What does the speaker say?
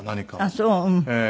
あっそう。